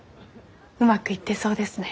うまくいってそうですね。